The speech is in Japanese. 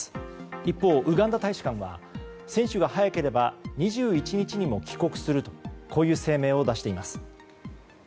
一方、ウガンダ大使館は選手が早ければ２１日にも帰国するという声明を出しています。